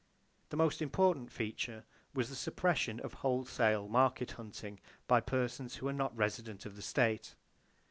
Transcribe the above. The most important feature was the suppression of wholesale market hunting, by persons who are not residents of the state.